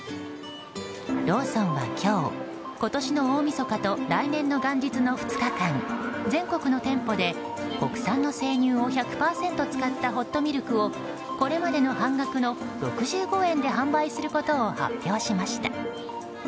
ローソンは今日今年の大みそかと来年の元日の２日間全国の店舗で国産の生乳を１００％使ったホットミルクをこれまでの半額の６５円で販売することを発表しました。